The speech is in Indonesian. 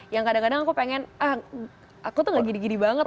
yang kadang kadang aku pengen ah aku tuh gak gini gini banget